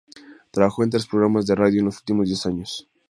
Trabajó en tres programas de radio en los últimos diez años.